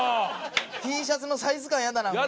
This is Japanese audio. Ｔシャツのサイズ感ヤダなこれ。